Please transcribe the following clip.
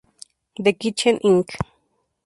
The Kitchen Inc.